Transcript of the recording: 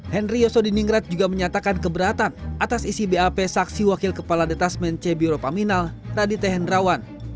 henry yosodiningrat juga menyatakan keberatan atas isi bap saksi wakil kepala detasmen c biro paminal radite hendrawan